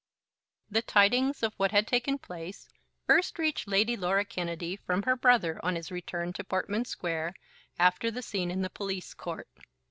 The tidings of what had taken place first reached Lady Laura Kennedy from her brother on his return to Portman Square after the scene in the police court.